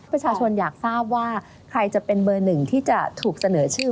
ประชาชนอยากทราบว่าใครจะเป็นเบอร์หนึ่งที่จะถูกเสนอชื่อ